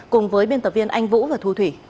cùng với biên tập viên anh vũ và thu thủy